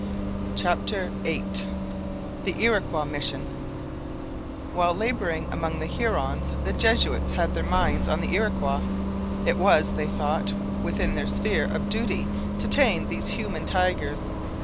CHAPTER VIII THE IROQUOIS MISSION While labouring among the Hurons the Jesuits had their minds on the Iroquois. It was, they thought, within their sphere of duty even to tame these human tigers.